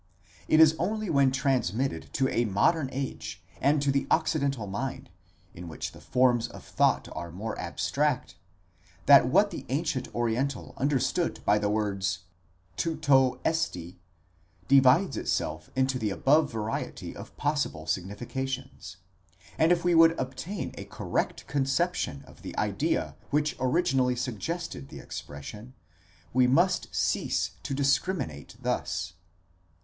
It is only when transmitted to a modern age, and to the occidental mind, in which the forms of thought are more abstract, that what the ancient oriental understood by the words, τοῦτό ἐστι, divides itself into the above variety of possible significations ; and if we would obtain a correct conception of the idea which originally suggested the expression, we must cease to discriminate thus.